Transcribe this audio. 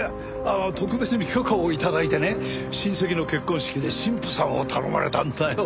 特別に許可を頂いてね親戚の結婚式で神父さんを頼まれたんだよ。